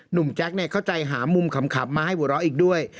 หนุ่มแจ็คเข้าใจหามุมขำขับมาให้บุร้อออีกด้วย